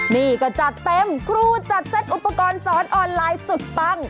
นี่ก็จัดเต็มครูจัดเซตอุปกรณ์สอนออนไลน์สุดปัง